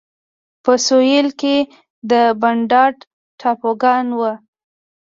په سوېل کې د بانډا ټاپوګان وو.